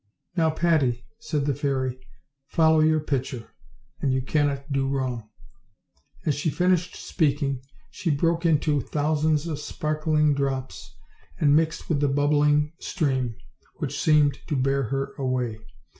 "Now, Patty," said the fairy, "follow your pitcher, and you cannot do wrong." As she finished speaking she broke into thousands of sparkling drops, and mixed with the bubbling stream, which seemed to bear her away.